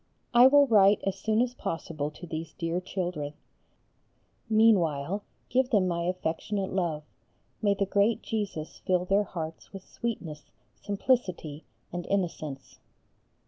I will write as soon as possible to these dear children; meanwhile, give them my affectionate love. May the great Jesus fill their hearts with sweetness, simplicity, and innocence!